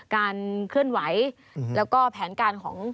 เคลื่อนไหวแล้วก็แผนการของ